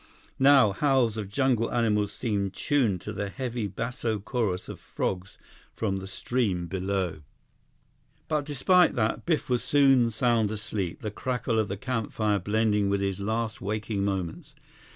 Now, howls of jungle animals seemed tuned to the heavy basso chorus of frogs from the stream below. But despite that, Biff was soon sound asleep, the crackle of the campfire blending with his last waking moments.